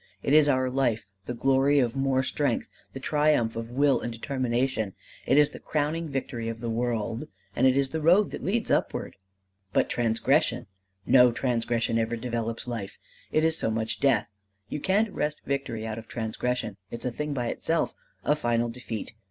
It is our life, the glory of more strength, the triumph of will and determination. It is the crowning victory of the world. And it is the road that leads upward. "But transgression! No transgression ever develops life; it is so much death. You can't wrest victory out of transgression: it's a thing by itself a final defeat.